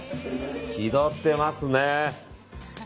気取ってますね。